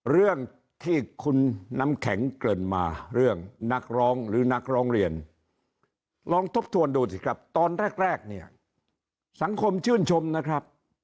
เรื่องที่คุณน้ำแข็งเกริ่นมาเรื่องนักร้องหรือนักร้องเรียนลองทบทวนดูสิครับตอนแรกเนี่ยสังคมชื่นชมนะครับ